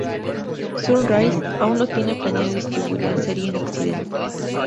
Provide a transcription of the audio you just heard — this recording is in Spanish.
Sunrise aún no tiene planeado distribuir la serie en occidente